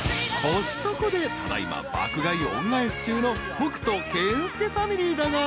［コストコでただ今爆買い恩返し中の北斗健介ファミリーだが］